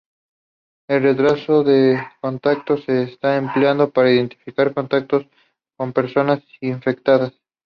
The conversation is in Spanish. El rastreo de contactos se está empleando para identificar contactos con personas infectadas.